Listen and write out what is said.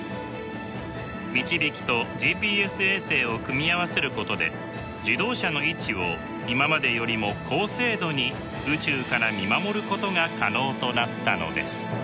みちびきとＧＰＳ衛星を組み合わせることで自動車の位置を今までよりも高精度に宇宙から見守ることが可能となったのです。